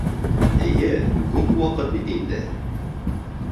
- Эйе, күп ваҡыт бит инде.